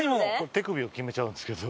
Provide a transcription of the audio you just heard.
手首をきめちゃうんですけど。